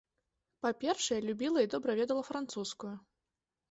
Па-першае, любіла і добра ведала французскую.